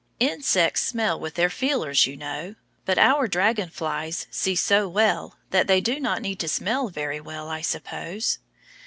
Insects smell with their feelers, you know, but our dragon flies see so well they do not need to smell very well, I suppose.